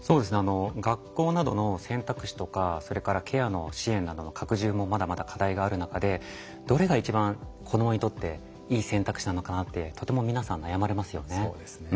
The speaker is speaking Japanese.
学校などの選択肢とかそれからケアの支援などの拡充もまだまだ課題がある中でどれが一番子どもにとっていい選択肢なのかなってとても皆さん悩まれますよね。